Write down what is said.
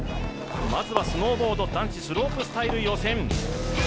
まずは、スノーボード男子スロープスタイル予選。